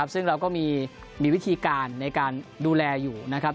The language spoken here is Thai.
ซึ่งเราก็มีวิธีการในการดูแลอยู่นะครับ